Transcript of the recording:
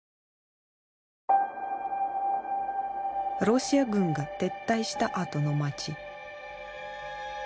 ロシア軍が撤退したあとの街。